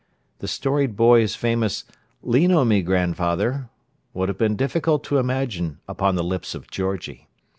The storied boy's famous "Lean on me, grandfather," would have been difficult to imagine upon the lips of Georgie.